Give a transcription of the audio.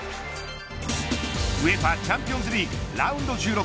ＵＥＦＡチャンピオンズリーグラウンド１６。